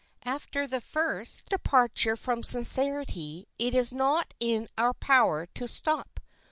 After the first departure from sincerity, it is not in our power to stop.